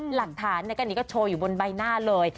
หลักฐานก็นี่ก็โชว์อยู่บนใบหน้าเลย